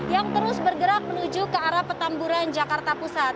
yang terus bergerak menuju ke arah petamburan jakarta pusat